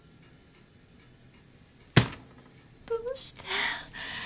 どうして？